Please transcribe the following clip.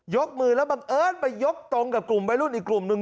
กมือแล้วบังเอิญไปยกตรงกับกลุ่มวัยรุ่นอีกกลุ่มหนึ่ง